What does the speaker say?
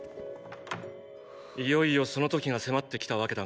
いよいよその時が迫ってきたわけだが。